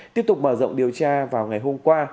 tiếp tục mở rộng điều tra vào ngày hôm qua